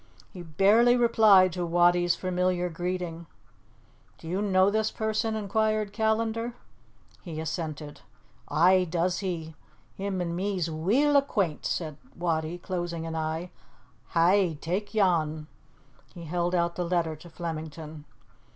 He barely replied to Wattie's familiar greeting. "Do you know this person?" inquired Callandar. He assented. "Ay, does he. Him and me's weel acquaint," said Wattie, closing an eye. "Hae, tak' yon." He held out the letter to Flemington.